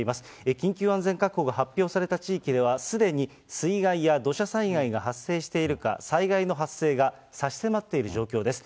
緊急安全確保が発表された地域では、すでに水害や土砂災害が発生しているか、災害の発生が差し迫っている状況です。